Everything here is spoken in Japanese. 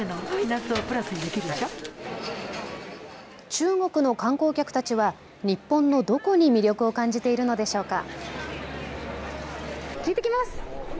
中国の観光客たちは日本のどこに魅力を感じているのでしょうか。